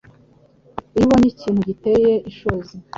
Iyo abonye ikintu giteye ishozi